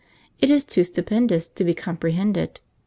It is too stupendous to be comprehended.